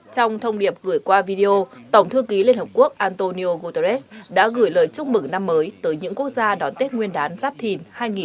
trong thông điệp gửi qua video tổng thư ký liên hợp quốc antonio guterres đã gửi lời chúc mừng năm mới tới những quốc gia đón tết nguyên đán giáp thìn hai nghìn hai mươi bốn